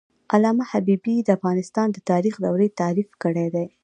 علامه حبيبي د افغانستان د تاریخ دورې تعریف کړې دي.